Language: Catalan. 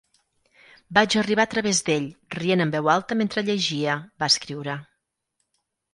"Vaig arribar a través d'ell, rient en veu alta mentre llegia", va escriure.